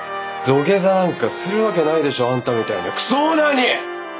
土下座なんかするわけないでしょあんたみたいなクソオーナーに！